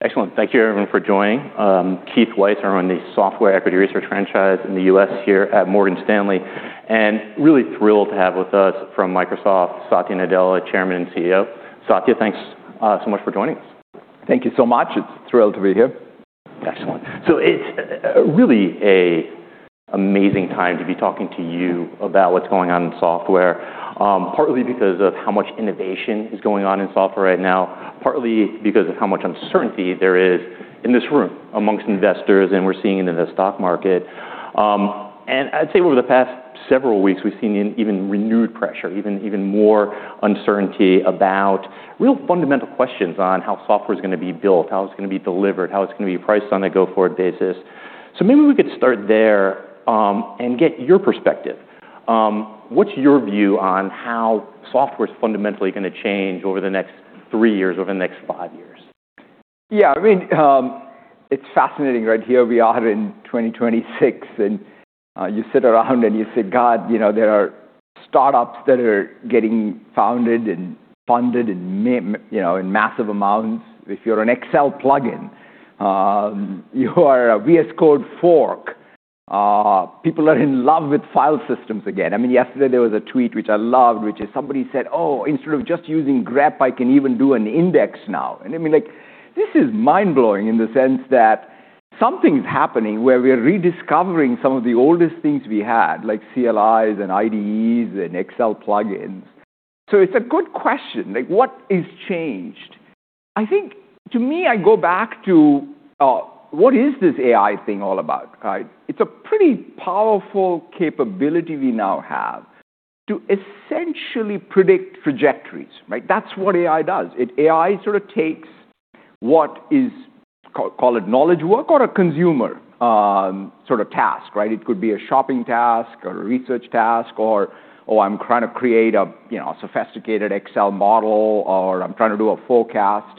Excellent. Thank you everyone for joining. Keith Weiss, I run the software equity research franchise in the U.S. here at Morgan Stanley, really thrilled to have with us from Microsoft, Satya Nadella, Chairman and CEO. Satya, thanks so much for joining us. Thank you so much. It's a thrill to be here. Excellent. It's really a amazing time to be talking to you about what's going on in software, partly because of how much innovation is going on in software right now, partly because of how much uncertainty there is in this room amongst investors, and we're seeing it in the stock market. I'd say over the past several weeks, we've seen an even renewed pressure, even more uncertainty about real fundamental questions on how software is gonna be built, how it's gonna be delivered, how it's gonna be priced on a go-forward basis. Maybe we could start there and get your perspective. What's your view on how software is fundamentally gonna change over the next three years, over the next five years? I mean, it's fascinating, right? Here we are in 2026, you sit around and you say, "God, you know, there are startups that are getting founded and funded you know, in massive amounts." If you're an Excel plugin, you are a VS Code fork. People are in love with file systems again. I mean, yesterday there was a tweet which I loved, which is somebody said, "Oh, instead of just using grep, I can even do an index now." I mean, like, this is mind-blowing in the sense that something's happening where we are rediscovering some of the oldest things we had, like CLIs and IDEs and Excel plugins. It's a good question. Like, what is changed? I think to me, I go back to, what is this AI thing all about, right? It's a pretty powerful capability we now have to essentially predict trajectories, right? That's what AI does. AI sort of takes what is called knowledge work or a consumer, sort of task, right? It could be a shopping task or a research task or I'm trying to create a, you know, a sophisticated Excel model, or I'm trying to do a forecast.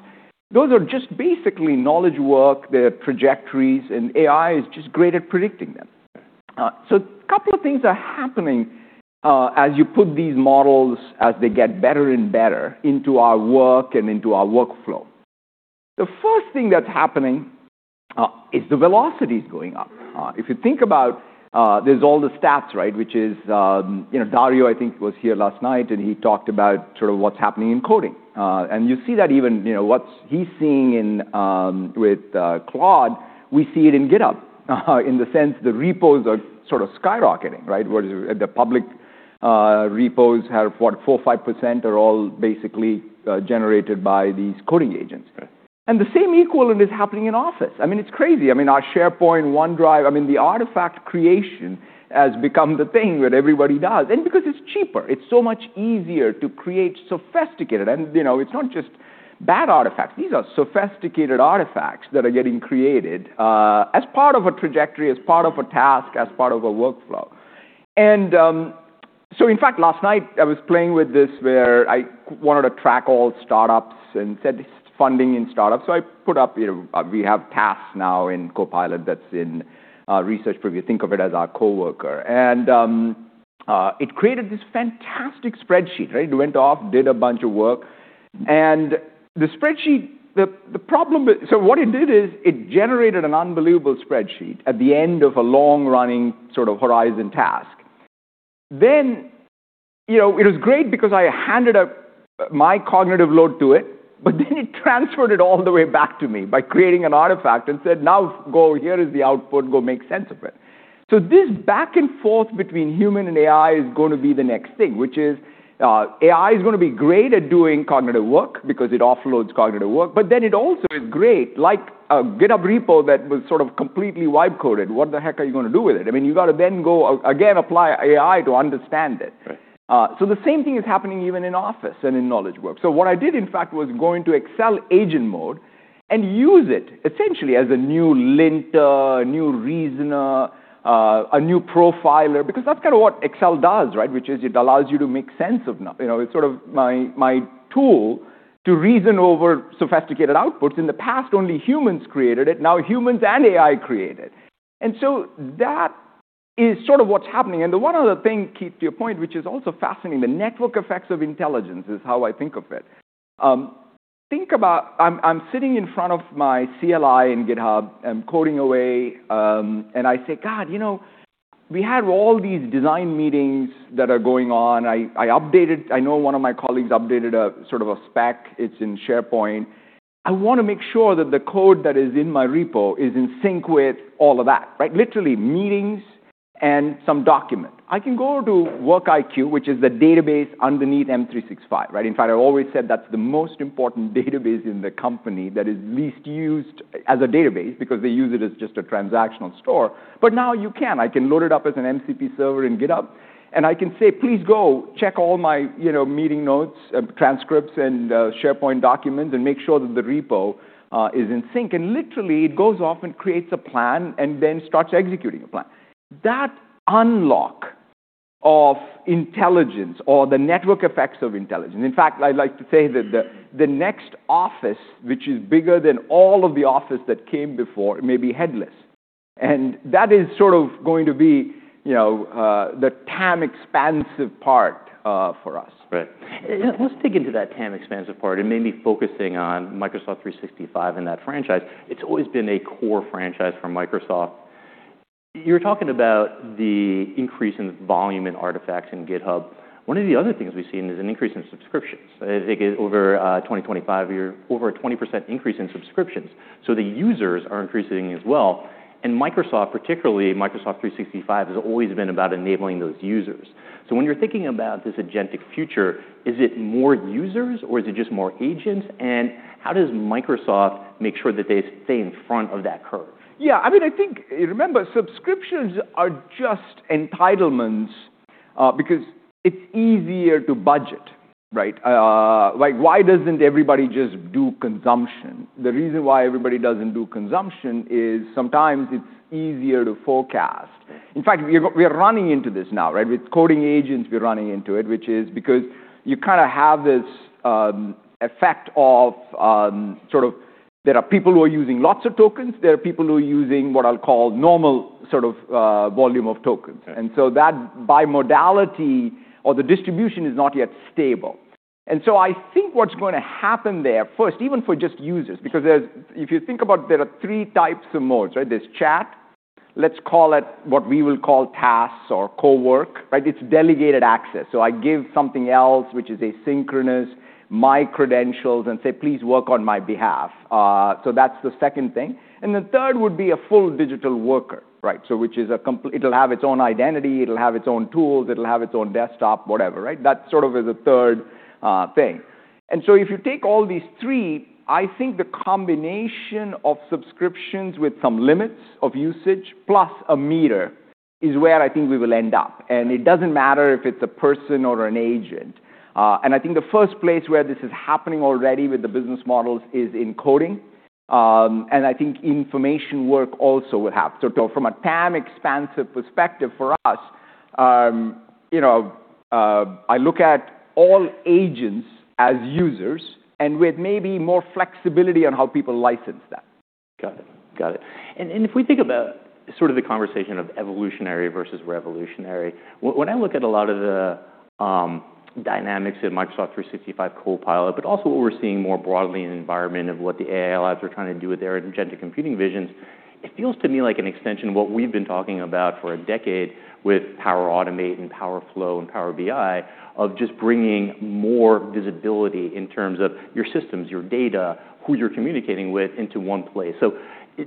Those are just basically knowledge work. They're trajectories, and AI is just great at predicting them. A couple of things are happening as you put these models, as they get better and better into our work and into our workflow. The first thing that's happening is the velocity is going up. If you think about, there's all the stats, right? Which is, you know, Dario, I think, was here last night, and he talked about sort of what's happening in coding. You see that even, you know, what's he's seeing in with Claude, we see it in GitHub, in the sense the repos are sort of skyrocketing, right? Where the public repos have, what, four or 5% are all basically generated by these coding agents. Right. The same equivalent is happening in Office. I mean, it's crazy. I mean, our SharePoint, OneDrive, I mean, the artifact creation has become the thing that everybody does, because it's cheaper. It's so much easier to create sophisticated... you know, it's not just bad artifacts. These are sophisticated artifacts that are getting created, as part of a trajectory, as part of a task, as part of a workflow. In fact, last night I was playing with this where I wanted to track all startups and said, funding in startups. I put up, you know, we have tasks now in Copilot that's in research preview. Think of it as our coworker. It created this fantastic spreadsheet, right? It went off, did a bunch of work. The spreadsheet, the problem. What it did is it generated an unbelievable spreadsheet at the end of a long-running sort of horizon task. You know, it was great because I handed up my cognitive load to it, but then it transferred it all the way back to me by creating an artifact and said, "Now go. Here is the output. Go make sense of it." This back and forth between human and AI is gonna be the next thing, which is, AI is gonna be great at doing cognitive work because it offloads cognitive work, but then it also is great like a GitHub repo that was sort of completely wipe coded. What the heck are you gonna do with it? I mean, you gotta then go, again, apply AI to understand it. Right. The same thing is happening even in Office and in knowledge work. What I did, in fact, was go into Excel agent mode and use it essentially as a new linter, a new reasoner, a new profiler, because that's kinda what Excel does, right? It allows you to make sense of You know, it's sort of my tool to reason over sophisticated outputs. In the past, only humans created it. Now humans and AI create it. That is sort of what's happening. The one other thing, Keith, to your point, which is also fascinating, the network effects of intelligence is how I think of it. Think about I'm sitting in front of my CLI in GitHub. I'm coding away, and I say, "God, you know, we had all these design meetings that are going on. I updated... I know one of my colleagues updated a sort of a spec. It's in SharePoint. I want to make sure that the code that is in my repo is in sync with all of that," right? Literally, meetings and some document. I can go to WorkIQ, which is the database underneath M365, right? In fact, I've always said that's the most important database in the company that is least used as a database because they use it as just a transactional store. Now you can. I can load it up as an MCP server in GitHub, and I can say, "Please go check all my, you know, meeting notes, transcripts, and SharePoint documents and make sure that the repo is in sync." Literally, it goes off and creates a plan and then starts executing a plan. That unlock of intelligence or the network effects of intelligence, in fact, I like to say that the next Office, which is bigger than all of the Office that came before, may be headless. That is sort of going to be, you know, the TAM expansive part for us. Right. Let's dig into that TAM expansive part and maybe focusing on Microsoft 365 and that franchise. It's always been a core franchise for Microsoft. You're talking about the increase in volume and artifacts in GitHub. One of the other things we've seen is an increase in subscriptions. I think over a 20% increase in subscriptions. The users are increasing as well. Microsoft, particularly Microsoft 365, has always been about enabling those users. When you're thinking about this agentic future, is it more users or is it just more agents? How does Microsoft make sure that they stay in front of that curve? Yeah, I mean, I think... Remember, subscriptions are just entitlements, because it's easier to budget, right? Like, why doesn't everybody just do consumption? The reason why everybody doesn't do consumption is sometimes it's easier to forecast. In fact, we're running into this now, right? With coding agents, we're running into it, which is because you kinda have this effect of sort of there are people who are using lots of tokens, there are people who are using what I'll call normal sort of volume of tokens. Right. That bimodality or the distribution is not yet stable. I think what's gonna happen there first, even for just users, because if you think about there are three types of modes, right? There's chat, let's call it what we will call tasks or co-work, right? It's delegated access. I give something else, which is asynchronous, my credentials, and say, "Please work on my behalf." That's the second thing. The third would be a full digital worker, right? Which is it'll have its own identity, it'll have its own tools, it'll have its own desktop, whatever, right? That sort of is a third thing. If you take all these three, I think the combination of subscriptions with some limits of usage plus a meter is where I think we will end up. It doesn't matter if it's a person or an agent. I think the first place where this is happening already with the business models is in coding. I think information work also will have. From a TAM expansive perspective for us, you know, I look at all agents as users and with maybe more flexibility on how people license that. Got it. Got it. If we think about sort of the conversation of evolutionary versus revolutionary, when I look at a lot of the dynamics in Microsoft 365 Copilot, but also what we're seeing more broadly in the environment of what the AI labs are trying to do with their agentic computing visions, it feels to me like an extension of what we've been talking about for a decade with Power Automate and Power Flow and Power BI of just bringing more visibility in terms of your systems, your data, who you're communicating with into one place. Do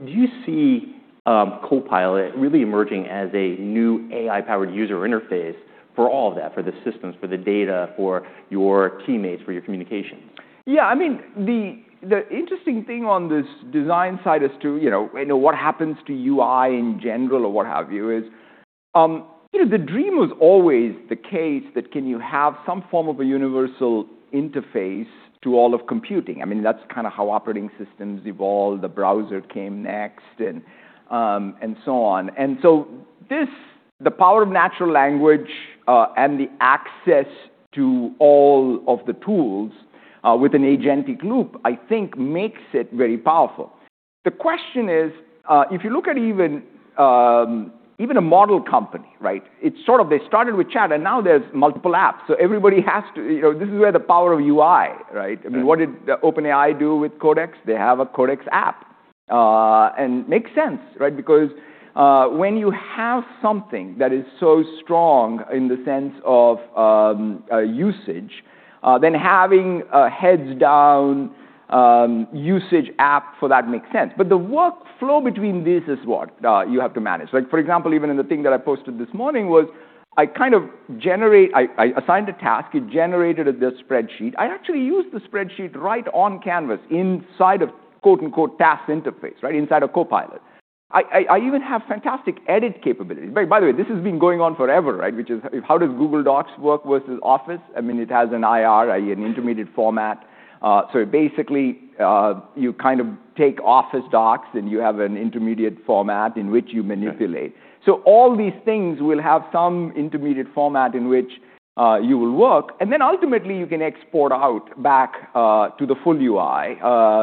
you see Copilot really emerging as a new AI-powered user interface for all of that, for the systems, for the data, for your teammates, for your communication? Yeah, I mean, the interesting thing on this design side is to, you know, what happens to UI in general or what have you is, you know, the dream was always the case that can you have some form of a universal interface to all of computing? I mean, that's kinda how operating systems evolved, the browser came next and so on. This, the power of natural language, and the access to all of the tools, with an agentic loop, I think makes it very powerful. The question is, if you look at even a model company, right? It's sort of they started with chat, and now there's multiple apps. Everybody has to, you know, this is where the power of UI, right? Yeah. I mean, what did the OpenAI do with Codex? They have a Codex app. Makes sense, right? When you have something that is so strong in the sense of usage, then having a heads down usage app for that makes sense. The workflow between this is what you have to manage. Like, for example, even in the thing that I posted this morning was I assigned a task, it generated the spreadsheet. I actually used the spreadsheet right on Canvas inside of quote-unquote task interface, right? Inside of Copilot. I even have fantastic edit capabilities. By the way, this has been going on forever, right? Which is how does Google Docs work versus Office? I mean, it has an IR, i.e. an intermediate format. Basically, you kind of take Office docs, and you have an intermediate format in which you manipulate. Right. All these things will have some intermediate format in which you will work, and then ultimately you can export out back to the full UI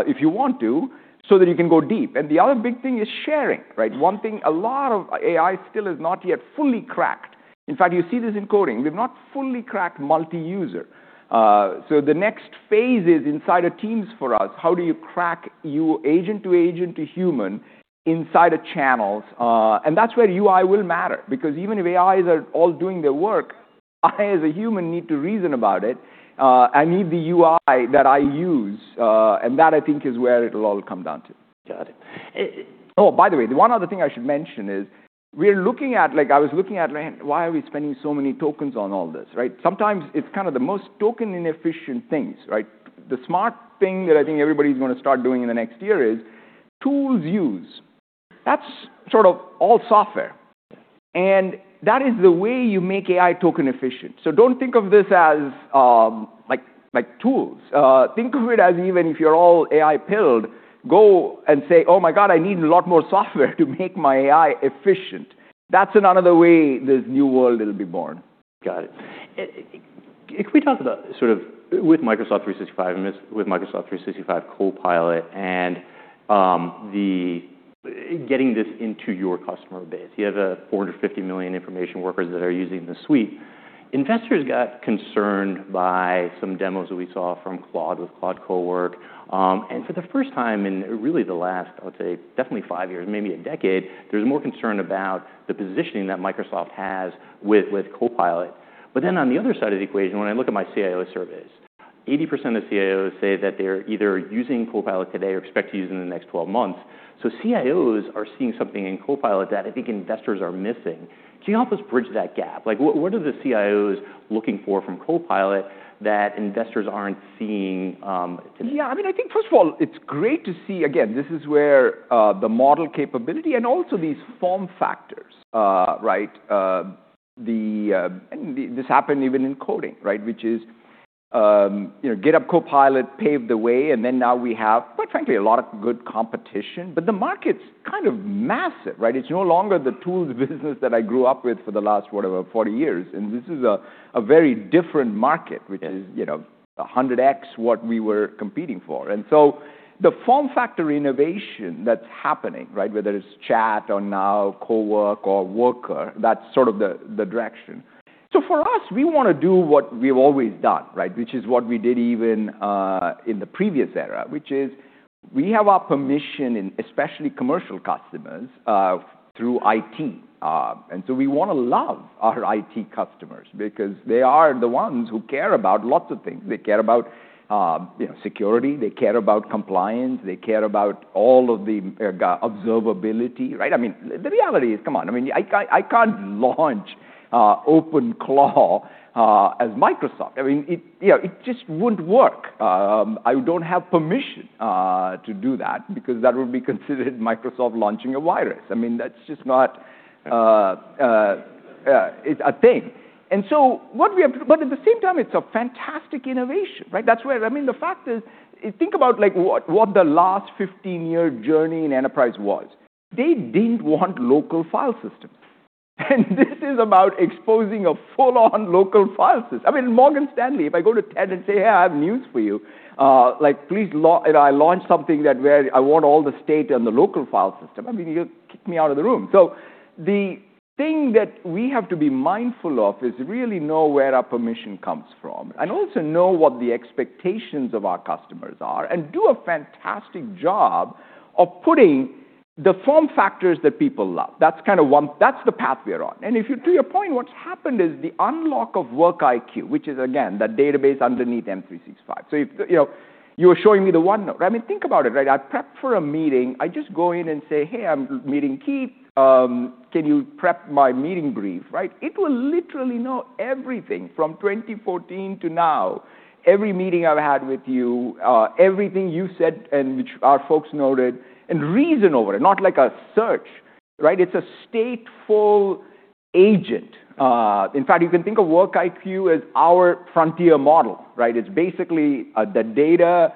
if you want to, so that you can go deep. The other big thing is sharing, right? One thing a lot of AI still has not yet fully cracked. In fact, you see this in coding. We've not fully cracked multi-user. The next phase is inside of Teams for us, how do you crack you agent to agent to human inside of channels? That's where UI will matter because even if AIs are all doing the work, I as a human need to reason about it. I need the UI that I use, and that I think is where it'll all come down to. Got it. By the way, the one other thing I should mention is we're looking at, like I was looking at why are we spending so many tokens on all this, right? Sometimes it's kind of the most token inefficient things, right? The smart thing that I think everybody's gonna start doing in the next year is tools used. That's sort of all software, and that is the way you make AI token efficient. Don't think of this as, like tools. Think of it as even if you're all AI pilled, go and say, "Oh my God, I need a lot more software to make my AI efficient." That's another way this new world will be born. Got it. Could we talk about sort of with Microsoft 365 and with Microsoft 365 Copilot, the getting this into your customer base. You have a $450 million information workers that are using the suite. Investors got concerned by some demos that we saw from Claude with Claude Cowork. For the first time in really the last, I would say definitely five years, maybe a decade, there's more concern about the positioning that Microsoft has with Copilot. On the other side of the equation, when I look at my CIO surveys, 80% of CIOs say that they're either using Copilot today or expect to use it in the next 12 months. CIOs are seeing something in Copilot that I think investors are missing. Can you help us bridge that gap? Like, what are the CIOs looking for from Copilot that investors aren't seeing today? Yeah, I mean, I think first of all, it's great to see. Again, this is where the model capability and also these form factors, right. This happened even in coding, right? Which is, you know, GitHub Copilot paved the way, and then now we have, quite frankly, a lot of good competition. The market's kind of massive, right? It's no longer the tools business that I grew up with for the last, whatever, 40 years. This is a very different market which is, you know, 100x what we were competing for. The form factor innovation that's happening, right, whether it's chat or now Cowork or worker, that's sort of the direction. For us, we wanna do what we've always done, right? Which is what we did even in the previous era, which is we have our permission in especially commercial customers through IT. We wanna love our IT customers because they are the ones who care about lots of things. They care about, you know, security. They care about compliance. They care about all of the observability, right? I mean, the reality is, come on, I mean, I can't launch OpenKlave as Microsoft. I mean, it, you know, it just wouldn't work. I don't have permission to do that because that would be considered Microsoft launching a virus. I mean, that's just not a thing. At the same time, it's a fantastic innovation, right? That's where I mean, the fact is, think about like, what the last 15-year journey in Enterprise was. They didn't want local file system, and this is about exposing a full-on local file system. I mean, Morgan Stanley, if I go to Ted and say, "Hey, I have news for you," like, please you know, I launch something that where I want all the state and the local file system, I mean, he'll kick me out of the room. The thing that we have to be mindful of is really know where our permission comes from, and also know what the expectations of our customers are, and do a fantastic job of putting the form factors that people love. That's the path we are on. To your point, what's happened is the unlock of WorkIQ, which is again, that database underneath M365. If, you know, you're showing me the OneNote. I mean, think about it, right? I prep for a meeting. I just go in and say, "Hey, I'm meeting Keith. Can you prep my meeting brief?" Right? It will literally know everything from 2014 to now, every meeting I've had with you, everything you said and which our folks noted, and reason over it, not like a search, right? It's a stateful agent. In fact, you can think of WorkIQ as our frontier model, right? It's basically the data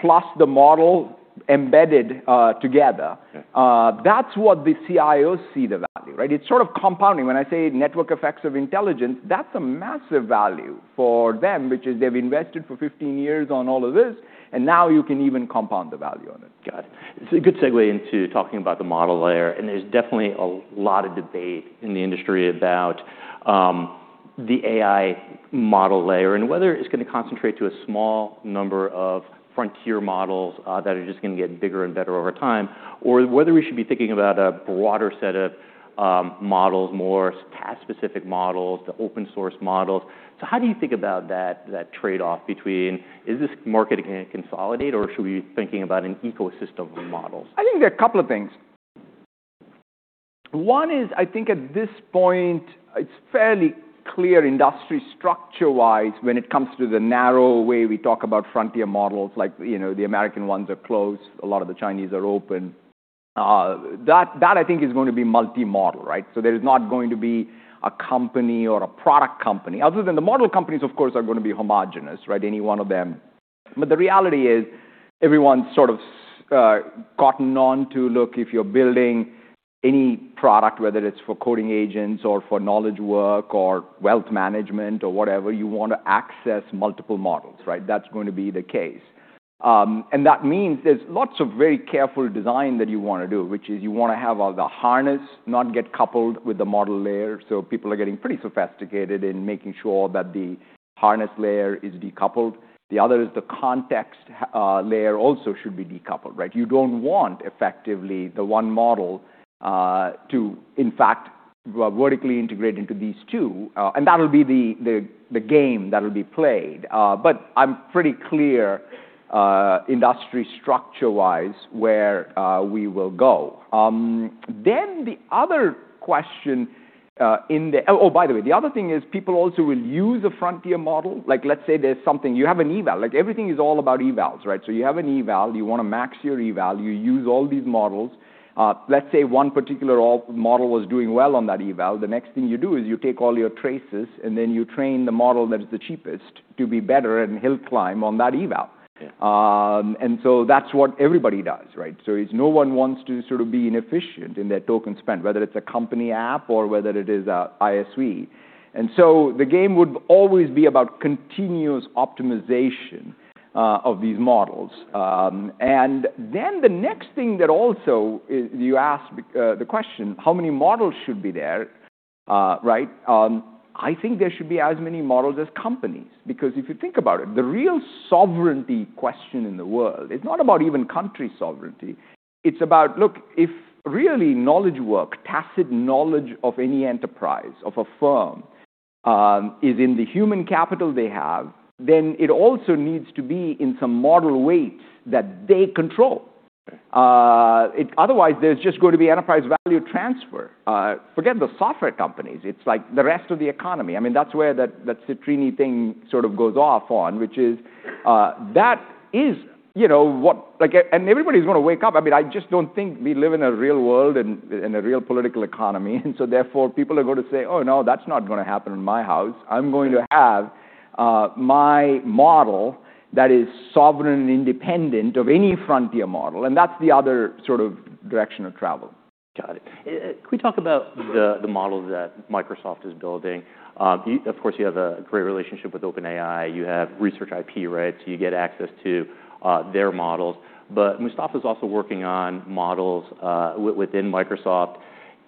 plus the model embedded together. Yeah. That's what the CIO see the value, right? It's sort of compounding. When I say network effects of intelligence, that's a massive value for them, which is they've invested for 15 years on all of this. Now you can even compound the value on it. Got it. It's a good segue into talking about the model layer, and there's definitely a lot of debate in the industry about the AI model layer and whether it's gonna concentrate to a small number of frontier models that are just gonna get bigger and better over time, or whether we should be thinking about a broader set of models, more task-specific models to open source models. How do you think about that trade-off between is this market gonna consolidate, or should we be thinking about an ecosystem of models? I think there are a couple of things. One is, I think at this point, it's fairly clear industry structure-wise when it comes to the narrow way we talk about frontier models like, you know, the American ones are closed, a lot of the Chinese are open. That, that I think is going to be multi-model, right? There is not going to be a company or a product company other than the model companies, of course, are gonna be homogenous, right? Any one of them. The reality is everyone's sort of gotten on to, look, if you're building any product, whether it's for coding agents or for knowledge work or wealth management or whatever, you wanna access multiple models, right? That's going to be the case. That means there's lots of very careful design that you wanna do, which is you wanna have the harness not get coupled with the model layer. People are getting pretty sophisticated in making sure that the harness layer is decoupled. The other is the context layer also should be decoupled, right? You don't want effectively the one model to in fact vertically integrate into these two. That'll be the game that'll be played. I'm pretty clear industry structure-wise where we will go. The other question, by the way, the other thing is people also will use a frontier model. Like let's say there's something, you have an eval. Like everything is all about evals, right? You have an eval, you wanna max your eval, you use all these models. Let's say one particular all model was doing well on that eval. The next thing you do is you take all your traces, and then you train the model that is the cheapest to be better and hill climb on that eval. Yeah. That's what everybody does, right? It's no one wants to sort of be inefficient in their token spend, whether it's a company app or whether it is a ISV. The game would always be about continuous optimization of these models. Then the next thing that also, you asked the question, how many models should be there, right? I think there should be as many models as companies because if you think about it, the real sovereignty question in the world is not about even country sovereignty. It's about, look, if really knowledge work, tacit knowledge of any enterprise, of a firm, is in the human capital they have, then it also needs to be in some model way that they control. Otherwise, there's just gonna be enterprise value transfer. Forget the software companies. It's like the rest of the economy. I mean, that's where that Citrini thing sort of goes off on, which is, that is, you know, what... Like, everybody's gonna wake up. I mean, I just don't think we live in a real world and in a real political economy, therefore, people are gonna say, "Oh, no, that's not gonna happen in my house. I'm going to have, my model that is sovereign and independent of any frontier model," That's the other sort of direction of travel. Got it. Can we talk about the model that Microsoft is building? Of course, you have a great relationship with OpenAI. You have research IP rights. You get access to their models. Mustafa is also working on models within Microsoft.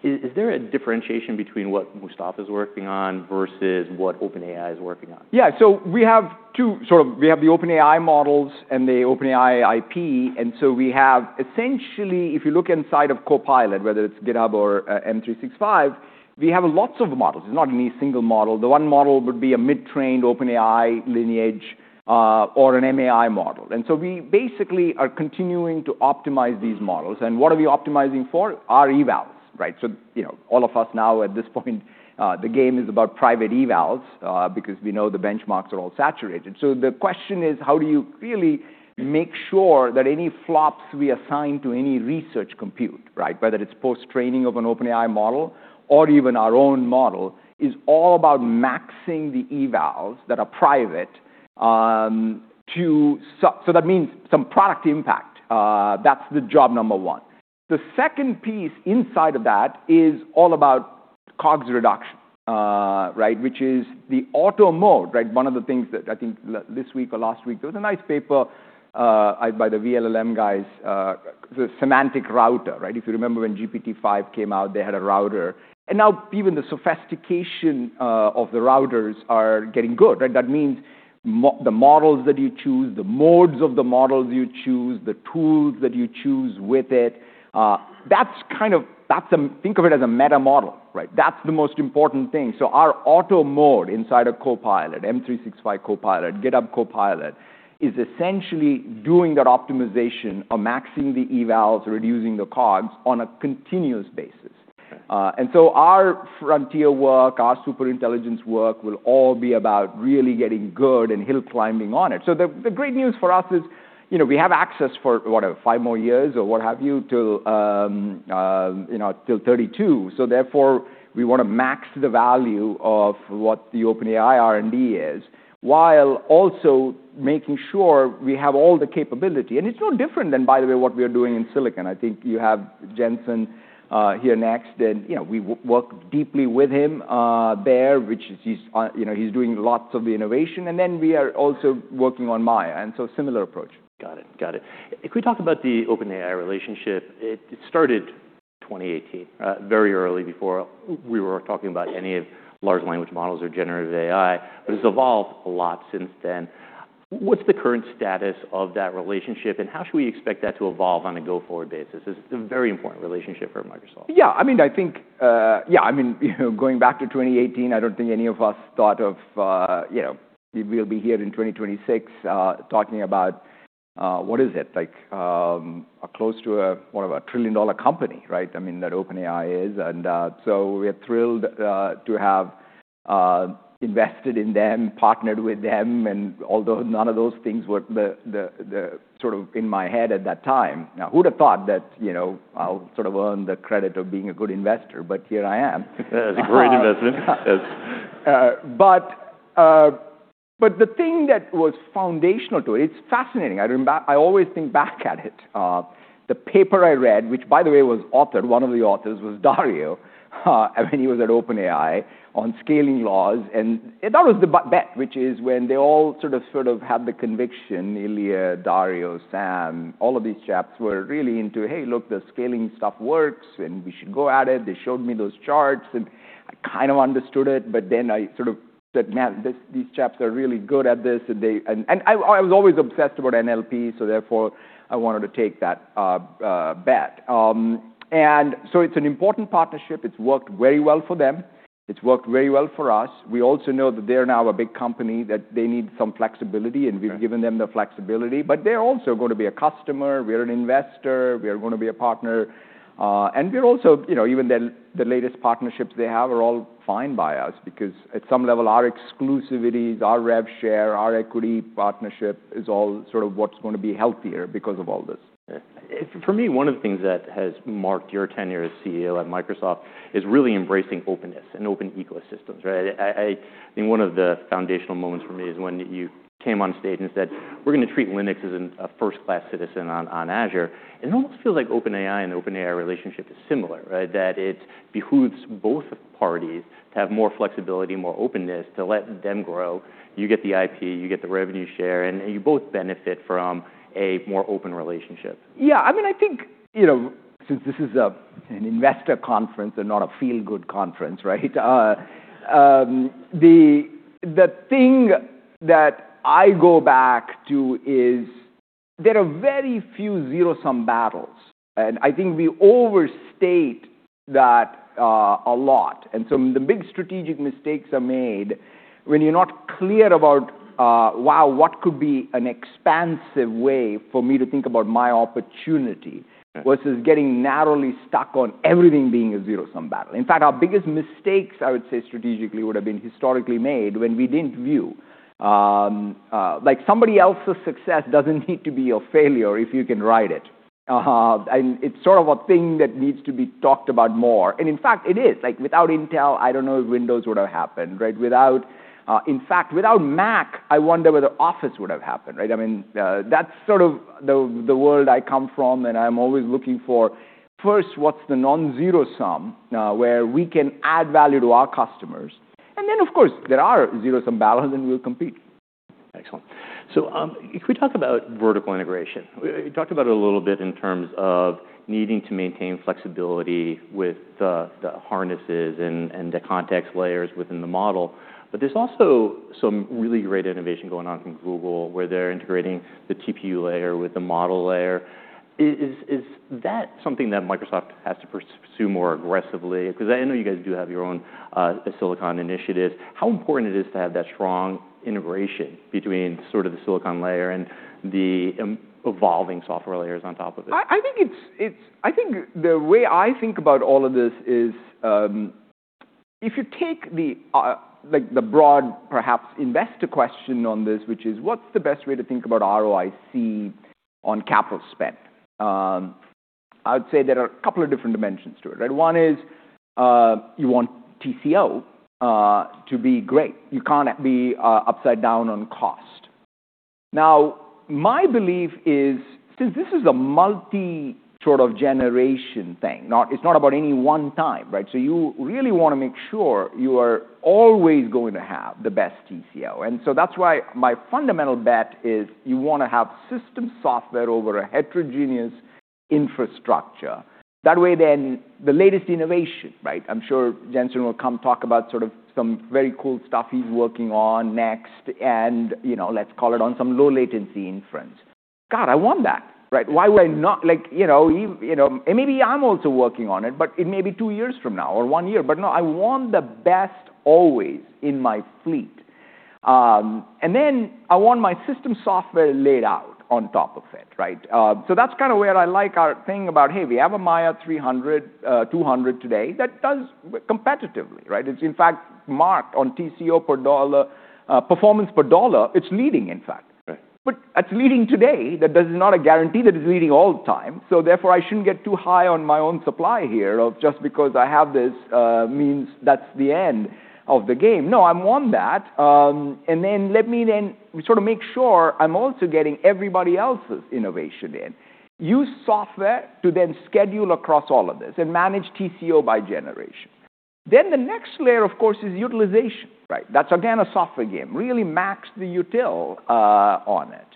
Is there a differentiation between what Mustafa is working on versus what OpenAI is working on? Yeah. We have the OpenAI models and the OpenAI IP, we have essentially, if you look inside of Copilot, whether it's GitHub or Microsoft 365, we have lots of models. It's not any single model. The one model would be a mid-trained OpenAI lineage or an MAI model. We basically are continuing to optimize these models. What are we optimizing for? Our evals, right? You know, all of us now at this point, the game is about private evals, because we know the benchmarks are all saturated. The question is, how do you really make sure that any flops we assign to any research compute, right? Whether it's post-training of an OpenAI model or even our own model, is all about maxing the evals that are private, so that means some product impact. That's the job number one. The second piece inside of that is all about COGS reduction, right? Which is the Auto mode, right? One of the things that I think this week or last week, there was a nice paper by the vLLM guys, the semantic router, right? If you remember when GPT-5 came out, they had a router. Now even the sophistication of the routers are getting good, right? That means the models that you choose, the modes of the models you choose, the tools that you choose with it, that's the think of it as a meta model, right? That's the most important thing. Our Auto mode inside a Copilot, Microsoft 365 Copilot, GitHub Copilot, is essentially doing that optimization or maxing the evals, reducing the COGS on a continuous basis. Okay. Our frontier work, our super intelligence work will all be about really getting good and hill climbing on it. The great news for us is, you know, we have access for, whatever, five more years or what have you to, you know, till 2032. Therefore, we wanna max the value of what the OpenAI R&D is while also making sure we have all the capability. It's no different than, by the way, what we are doing in Silicon. I think you have Jensen here next. You know, we work deeply with him there, which is he's, you know, he's doing lots of the innovation. We are also working on Maya, similar approach. Got it. Got it. If we talk about the OpenAI relationship, it started 2018, very early before we were talking about any large language models or generative AI. It's evolved a lot since then. What's the current status of that relationship, and how should we expect that to evolve on a go-forward basis? It's a very important relationship for Microsoft. Yeah. I mean, I think, Yeah, I mean, you know, going back to 2018, I don't think any of us thought of, you know, we'll be here in 2026, talking about, what is it? Like, close to a, what, a trillion-dollar company, right? I mean, that OpenAI is. So we're thrilled to have invested in them, partnered with them. Although none of those things were the, the sort of in my head at that time. Now, who would have thought that, you know, I'll sort of earn the credit of being a good investor, but here I am. It's a great investment. Yes. The thing that was foundational to it. It's fascinating. I always think back at it. The paper I read, which by the way was authored, one of the authors was Dario, when he was at OpenAI on scaling laws. That was the bet, which is when they all sort of had the conviction, Ilya, Dario, Sam, all of these chaps were really into, "Hey, look, the scaling stuff works, and we should go at it." They showed me those charts, and I kind of understood it, but then I sort of said, "Man, these chaps are really good at this, and they..." I was always obsessed about NLP, so therefore I wanted to take that bet. It's an important partnership. It's worked very well for them. It's worked very well for us. We also know that they are now a big company, that they need some flexibility, and we've given them the flexibility. They're also gonna be a customer. We're an investor. We're gonna be a partner. We're also, you know, even the latest partnerships they have are all fine by us because at some level, our exclusivities, our rev share, our equity partnership is all sort of what's gonna be healthier because of all this. For me, one of the things that has marked your tenure as CEO at Microsoft is really embracing openness and open ecosystems, right? I think one of the foundational moments for me is when you came on stage and said, "We're gonna treat Linux as a first-class citizen on Azure." It almost feels like OpenAI and OpenAI relationship is similar, right? That it behooves both parties to have more flexibility, more openness to let them grow. You get the IP, you get the revenue share, and you both benefit from a more open relationship. Yeah. I mean, I think, you know, since this is an investor conference and not a feel-good conference, right? The thing that I go back to is there are very few zero-sum battles, and I think we overstate that a lot. Some of the big strategic mistakes are made when you're not clear about, wow, what could be an expansive way for me to think about my opportunity- Right... versus getting narrowly stuck on everything being a zero-sum battle. In fact, our biggest mistakes, I would say, strategically would have been historically made when we didn't view, like somebody else's success doesn't need to be your failure if you can ride it. It's sort of a thing that needs to be talked about more. In fact, it is. Like, without Intel, I don't know if Windows would have happened, right? Without, in fact, without Mac, I wonder whether Office would have happened, right? I mean, that's sort of the world I come from, and I'm always looking for, first, what's the non-zero sum, where we can add value to our customers. Then, of course, there are zero-sum battles, and we'll compete. Excellent. If we talk about vertical integration, we talked about it a little bit in terms of needing to maintain flexibility with the harnesses and the context layers within the model. There's also some really great innovation going on from Google, where they're integrating the TPU layer with the model layer. Is that something that Microsoft has to pursue more aggressively? Because I know you guys do have your own silicon initiative. How important it is to have that strong integration between sort of the silicon layer and the evolving software layers on top of it? I think the way I think about all of this is, if you take the like the broad, perhaps investor question on this, which is what's the best way to think about ROIC on capital spend? I would say there are a couple of different dimensions to it, right? One is, you want TCO to be great. You can't be upside down on cost. Now, my belief is, since this is a multi sort of generation thing, it's not about any one time, right? You really wanna make sure you are always going to have the best TCO. That's why my fundamental bet is you wanna have system software over a heterogeneous infrastructure. That way, then the latest innovation, right? I'm sure Jensen will come talk about sort of some very cool stuff he's working on next and, you know, let's call it on some low latency inference. God, I want that, right? Why would I not like, you know, he? Maybe I'm also working on it, but it may be two years from now or 1 year. No, I want the best always in my fleet. Then I want my system software laid out on top of it, right? That's kinda where I like our thing about, hey, we have a Maia 200 today that does competitively, right? It's in fact marked on TCO per dollar, performance per dollar. It's leading, in fact. Right. It's leading today. That is not a guarantee that it's leading all the time. Therefore, I shouldn't get too high on my own supply here of just because I have this means that's the end of the game. No, I want that, and then let me then sort of make sure I'm also getting everybody else's innovation in. Use software to then schedule across all of this and manage TCO by generation. The next layer, of course, is utilization, right? That's again, a software game. Really max the util on it.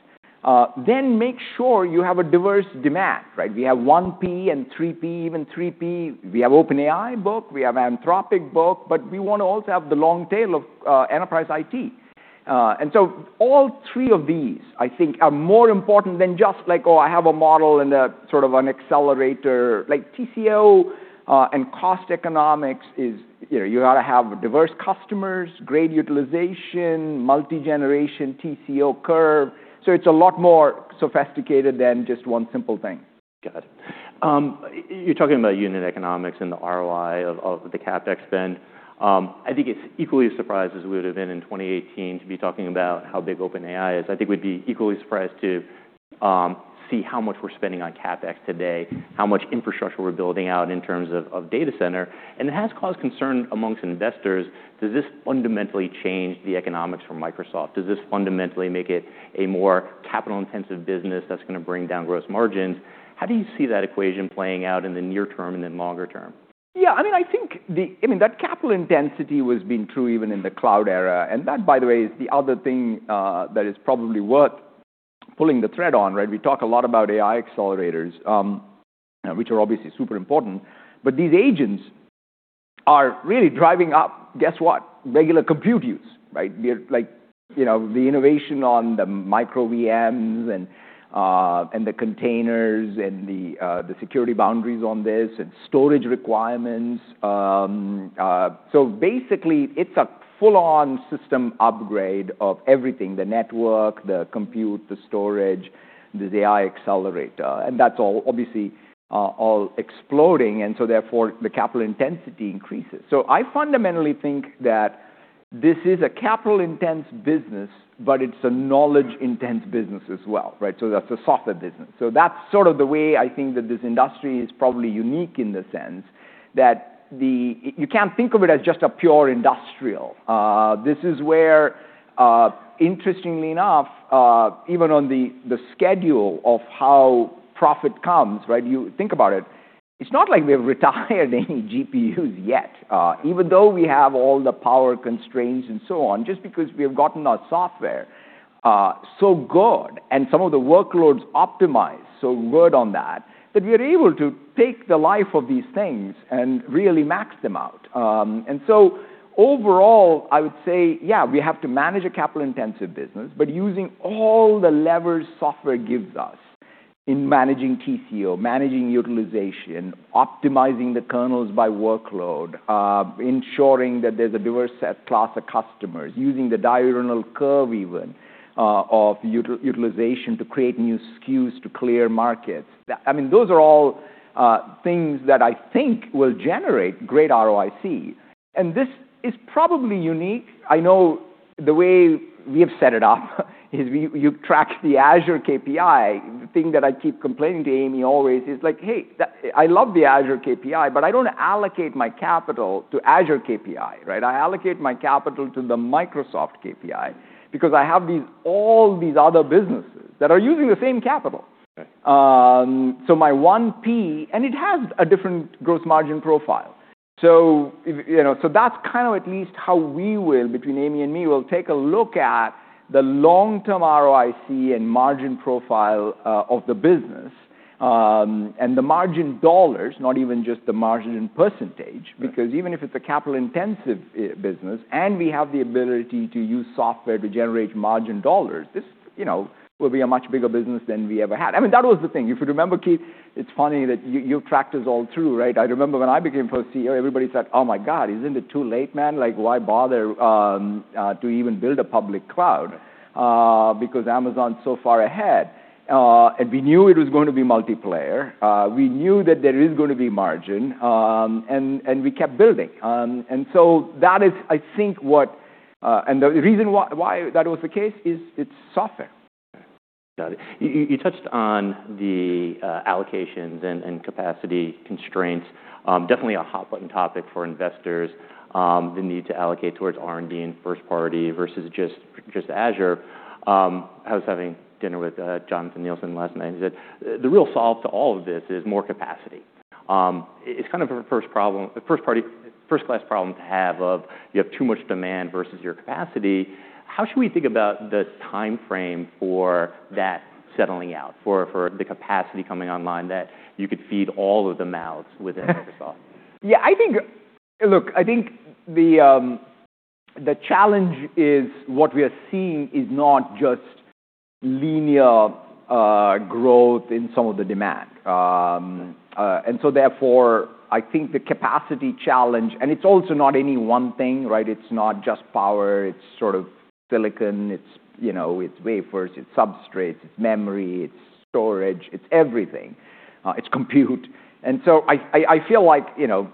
Make sure you have a diverse demand, right? We have 1P and 3P, even 3P. We have OpenAI book, we have Anthropic book, but we wanna also have the long tail of enterprise IT. All three of these, I think, are more important than just like, oh, I have a model and a sort of an accelerator. Like TCO, and cost economics is, you know, you gotta have diverse customers, great utilization, multi-generation TCO curve. It's a lot more sophisticated than just one simple thing. Got it. You're talking about unit economics and the ROI of the CapEx spend. I think it's equally as surprised as we would've been in 2018 to be talking about how big OpenAI is. I think we'd be equally surprised to see how much we're spending on CapEx today, how much infrastructure we're building out in terms of data center. It has caused concern amongst investors. Does this fundamentally change the economics for Microsoft? Does this fundamentally make it a more capital-intensive business that's gonna bring down gross margins? How do you see that equation playing out in the near term and then longer term? I mean, I think I mean, that capital intensity has been true even in the cloud era. That, by the way, is the other thing that is probably worth pulling the thread on, right? We talk a lot about AI accelerators, which are obviously super important, but these agents are really driving up, guess what? Regular compute use, right? They're like, you know, the innovation on the microVMs and the containers and the security boundaries on this and storage requirements. Basically, it's a full-on system upgrade of everything: the network, the compute, the storage, this AI accelerator, and that's all obviously all exploding, therefore, the capital intensity increases. I fundamentally think that this is a capital-intense business, but it's a knowledge-intense business as well, right? That's a softer business. That's sort of the way I think that this industry is probably unique in the sense that you can't think of it as just a pure industrial. This is where, interestingly enough, even on the schedule of how profit comes, right? You think about it. It's not like we've retired any GPUs yet, even though we have all the power constraints and so on, just because we have gotten our software so good, and some of the workloads optimize so good on that we are able to take the life of these things and really max them out. Overall, I would say, yeah, we have to manage a capital-intensive business, but using all the levers software gives us in managing TCO, managing utilization, optimizing the kernels by workload, ensuring that there's a diverse set class of customers, using the diurnal curve even, of utilization to create new SKUs to clear markets. I mean, those are all things that I think will generate great ROIC. This is probably unique. I know the way we have set it up is you track the Azure KPI. The thing that I keep complaining to Amy always is like, "Hey, I love the Azure KPI, but I don't allocate my capital to Azure KPI, right? I allocate my capital to the Microsoft KPI because I have these, all these other businesses that are using the same capital. Right. It has a different growth margin profile. If, you know, so that's kind of at least how we will, between Amy and me, will take a look at the long-term ROIC and margin profile of the business, and the margin dollars, not even just the margin in percentage. Yeah. Because even if it's a capital-intensive business, and we have the ability to use software to generate margin dollars, this, you know, will be a much bigger business than we ever had. I mean, that was the thing. If you remember, Keith, it's funny that you tracked us all through, right? I remember when I became first CEO, everybody said, "Oh my god, isn't it too late, man? Like, why bother to even build a public cloud, because Amazon's so far ahead?" We knew it was going to be multiplayer. We knew that there is gonna be margin. We kept building. That is, I think, what, and the reason why that was the case is it's software. Got it. You touched on the allocations and capacity constraints. Definitely a hot button topic for investors, the need to allocate towards R&D and first party versus just Azure. I was having dinner with Jonathan Neilson last night, he said the real solve to all of this is more capacity. It's kind of a first problem, a first party, first class problem to have of you have too much demand versus your capacity. How should we think about the timeframe for that settling out, for the capacity coming online that you could feed all of the mouths within Microsoft? Yeah, I think Look, I think the challenge is what we are seeing is not just linear growth in some of the demand. Therefore, I think the capacity challenge. It's also not any one thing, right? It's not just power. It's sort of silicon. It's, you know, it's wafers. It's substrates. It's memory. It's storage. It's everything. It's compute. I feel like, you know,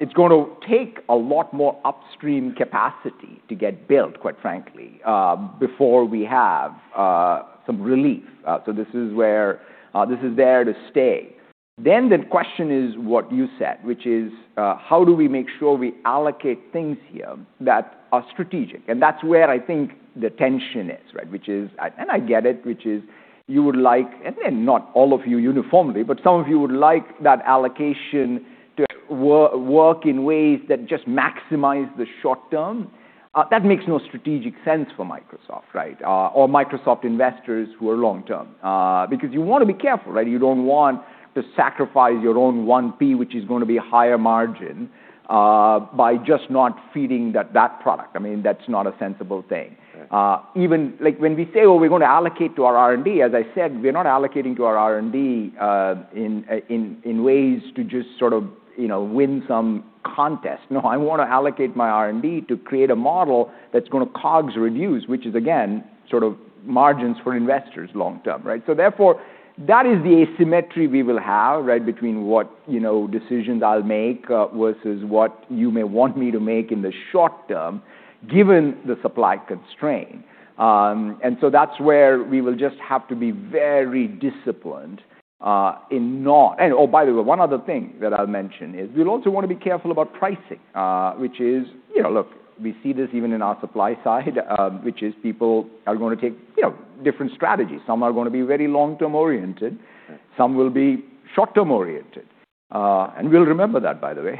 it's gonna take a lot more upstream capacity to get built, quite frankly, before we have some relief. This is where this is there to stay. The question is what you said, which is, how do we make sure we allocate things here that are strategic? That's where I think the tension is, right? Which is, and I get it, which is you would like, and not all of you uniformly, but some of you would like that allocation to work in ways that just maximize the short term. That makes no strategic sense for Microsoft, right? Microsoft investors who are long term. Because you wanna be careful, right? You don't want to sacrifice your own 1P, which is gonna be higher margin, by just not feeding that product. I mean, that's not a sensible thing. Right. Even, like, when we say, well, we're gonna allocate to our R&D, as I said, we're not allocating to our R&D, in ways to just sort of, you know, win some contest. No, I wanna allocate my R&D to create a model that's gonna COGS reduce, which is again, sort of margins for investors long term, right? That is the asymmetry we will have, right, between what, you know, decisions I'll make, versus what you may want me to make in the short term given the supply constraint. That's where we will just have to be very disciplined, in not... Oh, by the way, one other thing that I'll mention is we'll also wanna be careful about pricing, which is, you know, look, we see this even in our supply side, which is people are gonna take, you know, different strategies. Some are gonna be very long-term oriented. Right. Some will be short-term oriented. We'll remember that, by the way.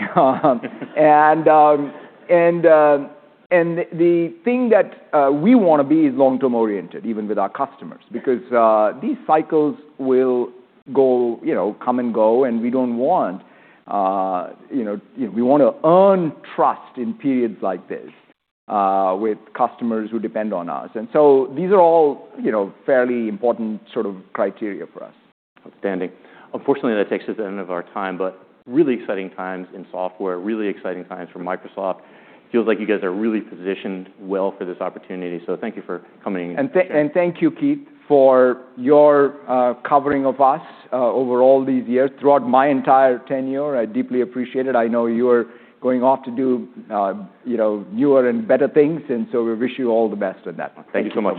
The thing that, we wanna be is long term oriented, even with our customers. Yeah. These cycles will go, you know, come and go, and we don't want, you know, we wanna earn trust in periods like this, with customers who depend on us. These are all, you know, fairly important sort of criteria for us. Outstanding. Unfortunately, that takes us to the end of our time. Really exciting times in software, really exciting times for Microsoft. Feels like you guys are really positioned well for this opportunity. Thank you for coming in. Thank you, Keith, for your covering of us over all these years, throughout my entire tenure. I deeply appreciate it. I know you're going off to do, you know, newer and better things, we wish you all the best with that. Thank you so much.